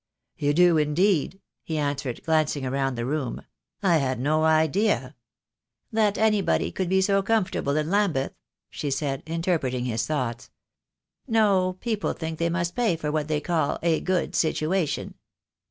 "You do, indeed," he answered, glancing round the room. "I had no idea " "That anybody could be so comfortable in Lambeth," she said, interpreting his thoughts. "No, people think they must pay for what they call 'a good situation.'